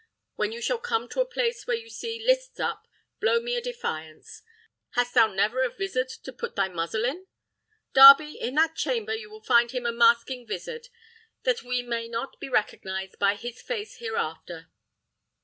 When you shall come to a place where you see lists up, blow me a defiance. Hast thou never a vizard to put thy muzzle in? Darby, in that chamber you will find him a masking vizard, so that we may not be recognised by his face hereafter."